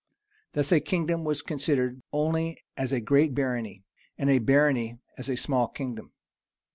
Thus, a kingdom was considered only as a great barony, and a barony as a small kingdom.